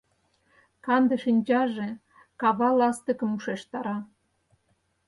Канде шинчаже кава ластыкым ушештара.